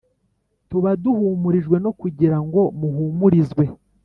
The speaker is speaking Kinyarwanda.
Tuba duhumurijwe no kugira ngo muhumurizwe